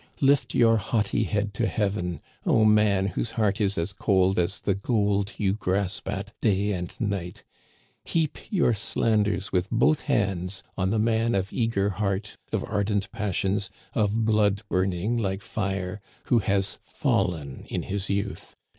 Lift your haughty head to heaven, O man whose heart is as cold as the gold you grasp at day and night ! Heap your slandets with> both hands on the man of eager heart, of ardent pas sions, of blood burning like fire, who has fallen in his youth